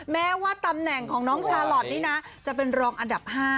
แม้ว่าตำแหน่งของน้องชาลอทนี่นะจะเป็นรองอันดับ๕